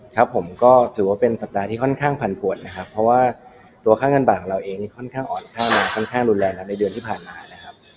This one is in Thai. ครับผมก็ถือว่าเป็นสัปดาห์ที่ค่อนข้างผันปวดนะครับเพราะว่าตัวค่าเงินบาทของเราเองนี่ค่อนข้างอ่อนค่ามาค่อนข้างรุนแรงแล้วในเดือนที่ผ่านมานะครับ